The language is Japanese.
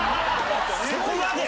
そこまで？